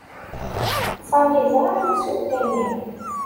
Sami yeẓra imsulta-nni.